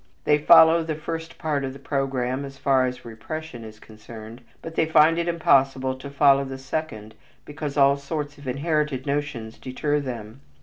They follow the first part of the program as far as repression is concerned, but they find it impossible to follow the second because all sorts of inherited notions deter them.